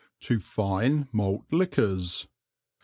To fine Malt Liquors.